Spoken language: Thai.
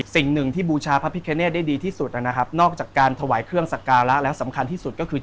สิ่งหนึ่งที่บูชาพระพิคเนตได้ดีที่สุดนะครับนอกจากการถวายเครื่องสักการะแล้วสำคัญที่สุดก็คือ